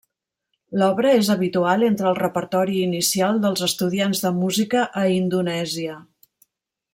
L'obra és habitual entre el repertori inicial dels estudiants de música a Indonèsia.